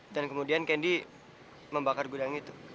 dan kemudian kandi membakar gudang itu